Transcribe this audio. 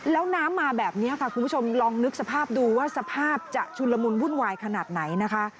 แล้วน้ำมาแบบนี้ค่ะคุณผู้ชมลองนึกสภาพดูว่าสภาพจะชุนละมุนวุ่นวายขนาดไหนนะคะ